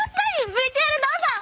ＶＴＲどうぞ！